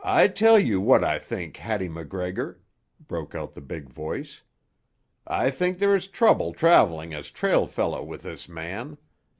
"I tell you what I think, Hattie MacGregor," broke out the big voice. "I think there is trouble travelling as trail fellow with this man.